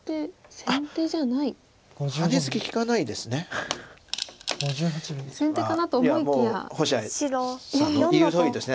先手かなと思いきや。